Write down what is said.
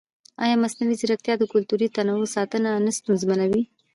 ایا مصنوعي ځیرکتیا د کلتوري تنوع ساتنه نه ستونزمنوي؟